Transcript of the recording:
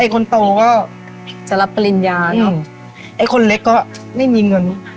คนโตก็จะรับปริญญาเนอะไอ้คนเล็กก็ไม่มีเงิน